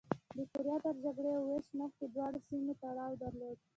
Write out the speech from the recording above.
د کوریا تر جګړې او وېش مخکې دواړو سیمو تړاو درلود.